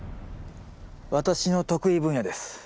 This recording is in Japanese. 私の得意分野です。